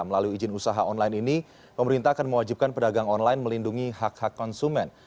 melalui izin usaha online ini pemerintah akan mewajibkan pedagang online melindungi hak hak konsumen